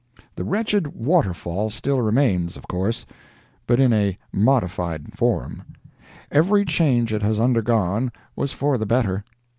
The wretched waterfall still remains, of course, but in a modified form; every change it has undergone was for the better.